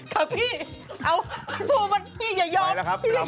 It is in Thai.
ครับพี่เอาสู้มันพี่อย่ายอมพี่อย่ายอม